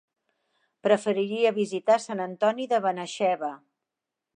Preferiria visitar Sant Antoni de Benaixeve.